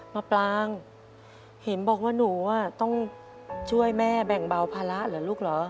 ปลางเห็นบอกว่าหนูต้องช่วยแม่แบ่งเบาภาระเหรอลูกเหรอ